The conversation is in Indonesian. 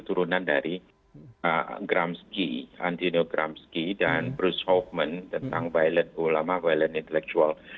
itu turunan dari gramsky antino gramsky dan bruce hoffman tentang violent ulama violent intellectual